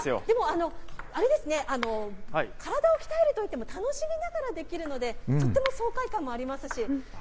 でも、あれですね、体を鍛えるといっても楽しみながらできるので、とっても爽快感がありますし。